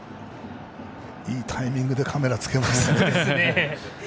いいタイミングでカメラ、つけましたね。